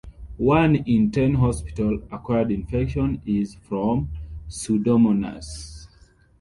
One in ten hospital-acquired infections is from "Pseudomonas".